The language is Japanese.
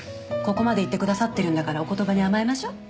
ここまで言ってくださってるんだからお言葉に甘えましょう。